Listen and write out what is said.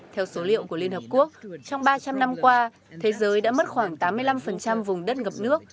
theo số liệu của liên hợp quốc trong ba trăm linh năm qua thế giới đã mất khoảng tám mươi năm vùng đất ngập nước